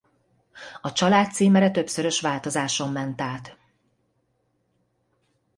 A család címere többszörös változáson ment át.